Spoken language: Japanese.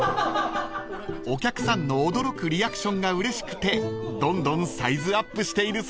［お客さんの驚くリアクションがうれしくてどんどんサイズアップしているそうです］